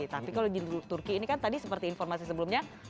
tapi kalau di turki ini kan tadi seperti informasi sebelumnya